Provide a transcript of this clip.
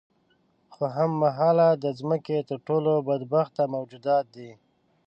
خو هم مهاله د ځمکې تر ټولو بدبخته موجودات دي.